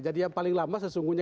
jadi yang paling lama sesungguhnya